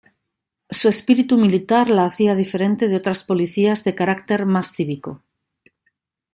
Su espíritu militar la hacía diferente de otras policías de carácter más cívico.